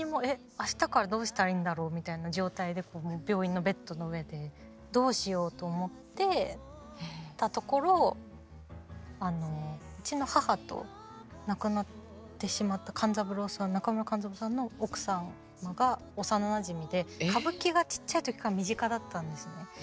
明日からどうしたらいいんだろうみたいな状態で病院のベッドの上でどうしようと思っていたところうちの母と亡くなってしまった勘三郎さん中村勘三郎さんの奥様が幼なじみで歌舞伎がちっちゃい時から身近だったんですよ。